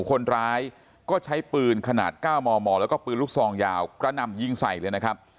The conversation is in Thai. คนร้ายก็ใช้ปืนขนาด๙มมแล้วก็ปืนลูกซองยาวกระหน่ำยิงใส่เลยนะครับ